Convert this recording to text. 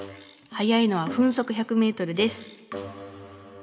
速いのは分速１００ｍです。